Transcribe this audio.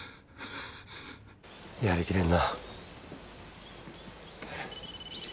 やりきれんな。